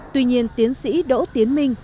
tuy nhiên tiến sĩ đỗ tiến minh